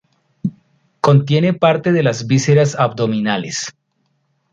Contiene parte de las vísceras abdominales.